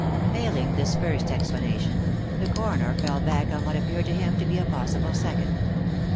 Failing this first explanation, the coroner fell back on what appeared to him to be a possible second.